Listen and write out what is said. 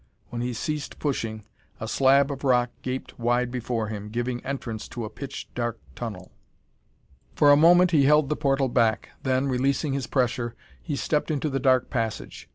When he ceased pushing, a slab of rock gaped wide before him, giving entrance to a pitch dark tunnel. For a moment he held the portal back, then, releasing his pressure, he stepped into the dark passage.